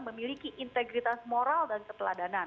memiliki integritas moral dan keteladanan